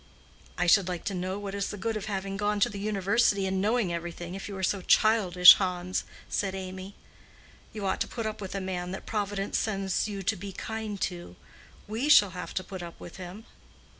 "I should like to know what is the good of having gone to the university and knowing everything, if you are so childish, Hans," said Amy. "You ought to put up with a man that Providence sends you to be kind to. We shall have to put up with him."